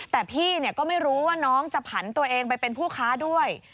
แต่พี่ก็ไม่รู้ว่าน้องจะผันตัวเองไปเป็นผู้ค้าด้วย